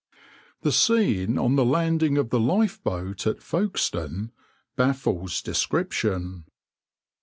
\par The scene on the landing of the lifeboat at Folkestone baffles description.